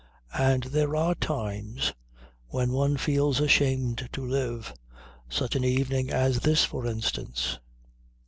And there are times when one feels ashamed to live. Such an evening as this for instance."